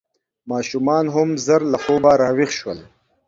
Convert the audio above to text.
ماشومان هم ژر له خوبه راویښ شول.